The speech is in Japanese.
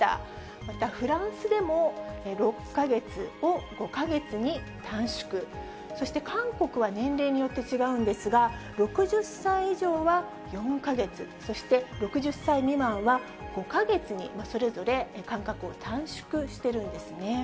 またフランスでも、６か月を５か月に短縮、そして韓国は年齢によって違うんですが、６０歳以上は４か月、そして６０歳未満は５か月にそれぞれ間隔を短縮しているんですね。